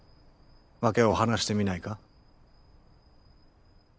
訳を話してみないか？